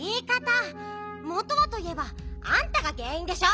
もとはといえばあんたがげんいんでしょ！